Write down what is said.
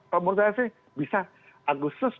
pertama saya sih bisa